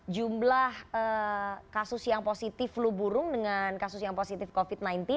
jumlah kasus yang positif flu burung dengan kasus yang positif covid sembilan belas